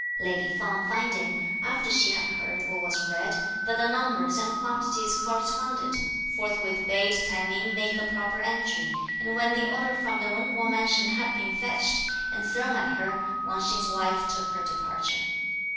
Lady Feng finding, after she had heard what was read, that the numbers (and quantities) corresponded, forthwith bade Ts'ai Ming make the proper entry; and when the order from the Jung Kuo mansion had been fetched, and thrown at her, Wang Hsing's wife took her departure.